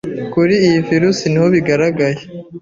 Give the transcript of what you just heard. kuri iyi virusi niho bigaragaye